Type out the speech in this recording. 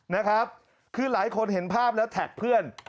นะครับคือหลายคนเห็นภาพแล้วแท็กเพื่อน